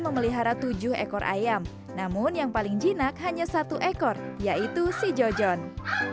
memelihara tujuh ekor ayam namun yang paling jinak hanya satu ekor yaitu si jojon